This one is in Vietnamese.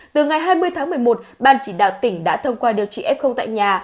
từ ngày hai mươi tháng một mươi một ban chỉ đạo tỉnh đã thông qua điều trị f tại nhà